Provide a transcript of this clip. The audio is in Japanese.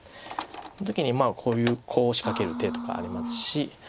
この時にこういうコウを仕掛ける手とかありますし。